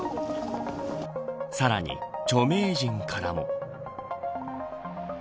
さらに著名人からも。